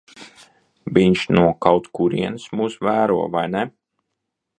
Viņš no kaut kurienes mūs vēro, vai ne?